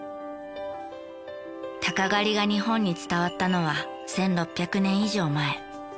鷹狩りが日本に伝わったのは１６００年以上前。